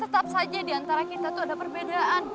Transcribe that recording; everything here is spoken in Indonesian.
tetap saja diantara kita itu ada perbedaan